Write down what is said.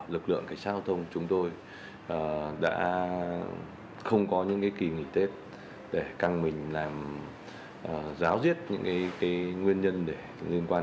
hãy đảm bảo an toàn giao thông cho mọi người lưu thông qua những tuyến đường cho an toàn